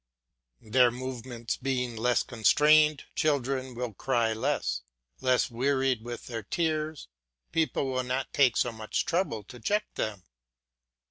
Their movements being less constrained, children will cry less; less wearied with their tears, people will not take so much trouble to check them.